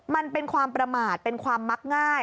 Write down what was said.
มันเป็นความประมาทเป็นความมักง่าย